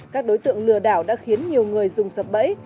các đối tượng lừa đảo đã khiến nhiều người dùng sập bẫy